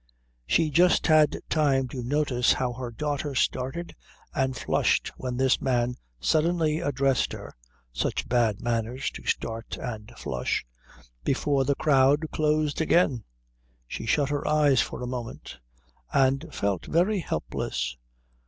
She just had time to notice how her daughter started and flushed when this man suddenly addressed her such bad manners to start and flush before the crowd closed again. She shut her eyes for a moment and felt very helpless.